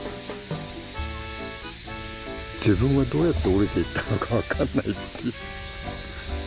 自分がどうやって下りていったのか分かんないっていう。